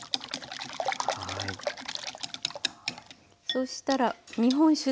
そうしたら日本酒です。